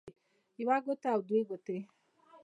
يوه ګوته او دوه ګوتې